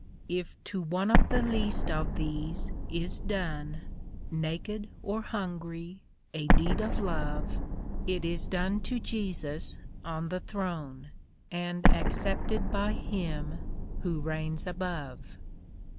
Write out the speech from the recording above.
If to one of the least of these is done, ^' Naked or hungry, a deed of love, It is done to Jesus on the throne, " And accepted by Him who reigns above.